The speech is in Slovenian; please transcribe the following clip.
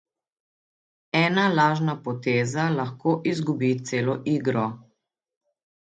Ena lažna poteza lahko izgubi celo igro.